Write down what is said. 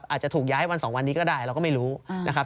อาจจะถูกย้ายวัน๒วันนี้ก็ได้เราก็ไม่รู้นะครับ